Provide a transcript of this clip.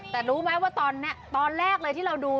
แต่รู้มั้ยตอนเนี้ยตอนแรกเลยที่เราดู